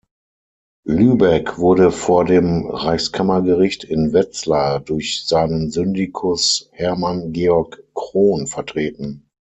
Lübeck wurde vor dem Reichskammergericht in Wetzlar durch seinen Syndicus Hermann Georg Krohn vertreten.